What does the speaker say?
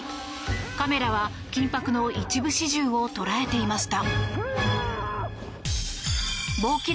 カメラは緊迫の一部始終を捉えていました。